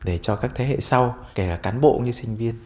để cho các thế hệ sau kể cả cán bộ như sinh viên